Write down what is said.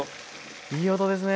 いい音ですね。